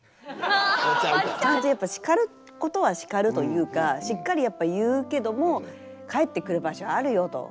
ばっちゃん。ちゃんとやっぱ叱ることは叱るというかしっかりやっぱ言うけども帰ってくる場所あるよと。